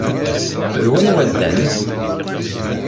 D wanwa ddan?